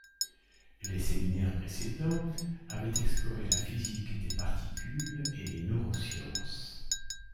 Les séminaires précédents avaient exploré la physique des particules et les neurosciences.